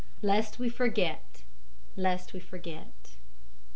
"Lest we forget; lest we forget!"